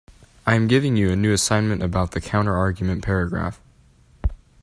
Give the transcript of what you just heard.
I am giving you a new assignment about the counterargument paragraph.